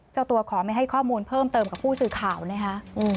เจ้าตัวขอไม่ให้ข้อมูลเพิ่มเติมกับผู้สื่อข่าวนะคะ